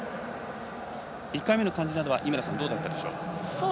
１回目の感じなどはどうだったでしょう？